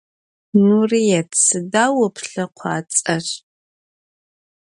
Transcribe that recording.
Nurıêt, sıda vo plhekhuats'er?